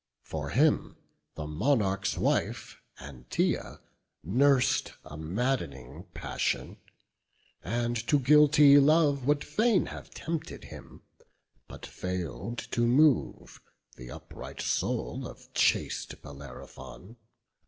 For him the monarch's wife, Antaea, nurs'd A madd'ning passion, and to guilty love Would fain have tempted him; but fail'd to move The upright soul of chaste Bellerophon.